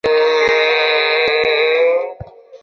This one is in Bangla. আমার মাথা খা, কাল একবার তুই তাহার বাড়িতে যাস।